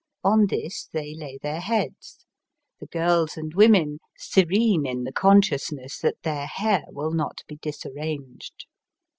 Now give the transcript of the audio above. On this they lay their heads, the girls and women serene in the consciousness that their hair will not be disarranged.